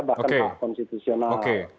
bahkan hak konstitusional